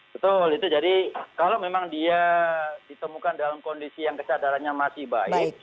betul itu jadi kalau memang dia ditemukan dalam kondisi yang kesadarannya masih baik